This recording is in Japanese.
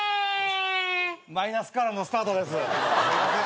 マイナスからのスタートです。